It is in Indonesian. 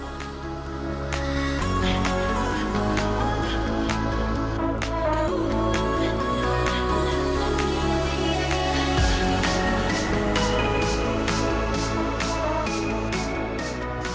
taman lalu lintas